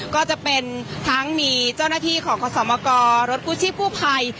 ก็จะเป็นทั้งมีเจ้าหน้าที่ของขสมกรรถกู้ชีพกู้ภัย